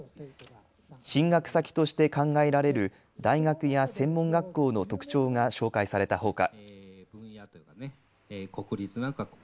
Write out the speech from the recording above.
進学先として考えられる大学や専門学校の特徴が紹介されたほか。